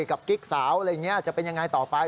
กิ๊กสาวอะไรอย่างนี้จะเป็นยังไงต่อไป